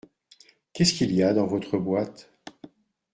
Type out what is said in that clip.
Qu’est-ce qu’il y a dans votre boîte ?